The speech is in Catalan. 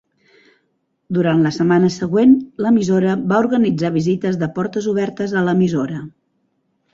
Durant la setmana següent, l'emissora va organitzar visites de portes obertes a l'emissora.